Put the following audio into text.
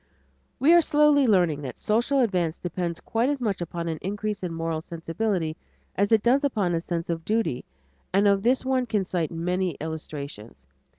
We are slowly learning that social advance depends quite as much upon an increase in moral sensibility as it does upon a sense of duty, and of this one could cite many illustrations.